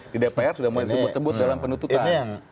di dpr sudah mau disebut sebut dalam penutupan